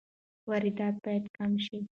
واردات باید کم شي.